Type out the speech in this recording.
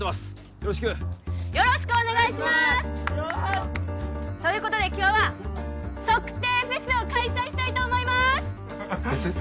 よろしくよろしくお願いしますということで今日は測定フェスを開催したいと思います・フェス？